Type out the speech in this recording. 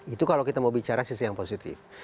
itu kalau kita mau bicara sisi yang positif